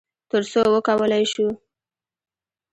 تر څو وکولی شو،